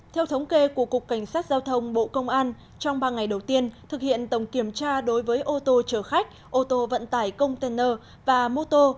theo thống kê của cục cảnh sát giao thông bộ công an trong ba ngày đầu tiên thực hiện tổng kiểm tra đối với ô tô chở khách ô tô vận tải container và mô tô